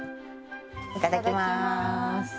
いただきます。